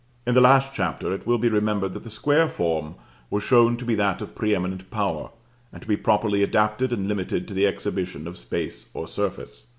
In the last Chapter, it will be remembered that the square form was shown to be that of pre eminent Power, and to be properly adapted and limited to the exhibition of space or surface.